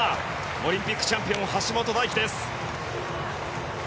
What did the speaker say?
オリンピックチャンピオン橋本大輝です。